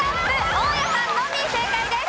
大家さんのみ正解です。